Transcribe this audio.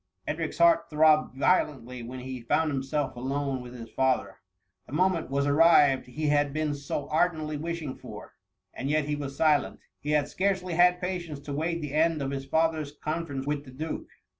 Edric's heart throbbed violently when he found himself alone with his father; the mo ment was arrived he had been so ardently wish ing for, and yet he was sileiit. He had scarcely had patience to wait the end of his father's con ference with the duke